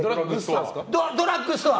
ドラッグストア！